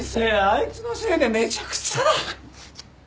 あいつのせいでめちゃくちゃだ！